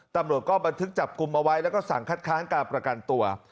ตำรวจก็บันทึกจับกลุ่มเอาไว้แล้วก็สั่งคัดค้างการประกันตัว